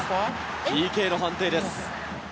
ＰＫの判定です。